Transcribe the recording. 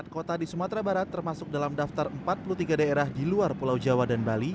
empat kota di sumatera barat termasuk dalam daftar empat puluh tiga daerah di luar pulau jawa dan bali